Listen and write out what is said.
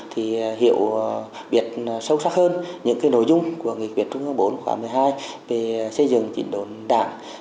thì hiểu biệt sâu sắc hơn những cái nội dung của nghị quyết trung ương bốn khóa một mươi hai về xây dựng chỉnh đồn đảng